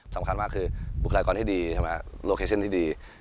สำคัญมากคือบุคลากรที่ดีใช่ไหมโลเคชั่นที่ดี